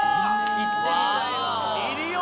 行ってみたいわ。